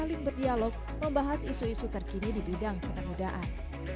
selain berdialog membahas isu isu terkini di bidang penemudaan